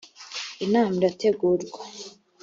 inama irategurwa.